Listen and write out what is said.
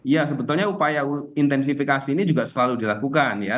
ya sebetulnya upaya intensifikasi ini juga selalu dilakukan ya